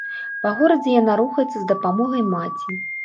Па горадзе яна рухаецца з дапамогай маці.